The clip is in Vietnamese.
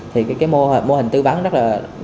thì cái mô hình thư vắng rất là